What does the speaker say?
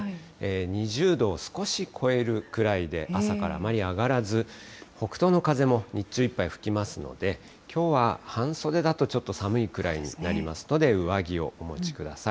２０度を少し超えるくらいで、朝からあまり上がらず、北東の風も日中いっぱい吹きますので、きょうは半袖だと、ちょっと寒いくらいになりますので、上着をお持ちください。